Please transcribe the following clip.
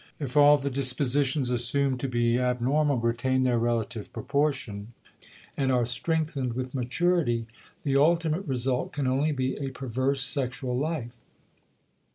If all the dispositions assumed to be abnormal retain their relative proportion, and are strengthened with maturity, the ultimate result can only be a perverse sexual life.